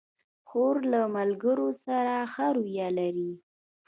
خور له ملګرو سره ښه رویه لري.